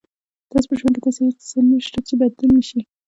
تاسو په ژوند کې داسې هیڅ څه نشته چې بدلون نه شي.